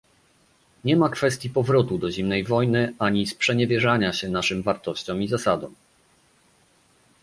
Nie ma kwestii powrotu do zimnej wojny ani sprzeniewierzenia się naszym wartościom i zasadom